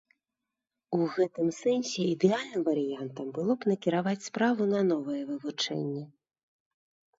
У гэтым сэнсе ідэальным варыянтам было б накіраваць справу на новае вывучэнне.